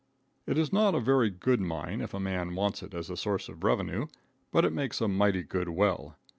It is not a very good mine if a man wants it as a source of revenue, but it makes a mighty good well.